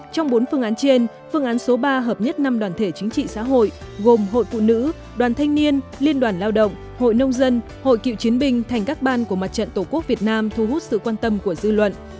trong bốn phương án trên phương án số ba hợp nhất năm đoàn thể chính trị xã hội gồm hội phụ nữ đoàn thanh niên liên đoàn lao động hội nông dân hội cựu chiến binh thành các ban của mặt trận tổ quốc việt nam thu hút sự quan tâm của dư luận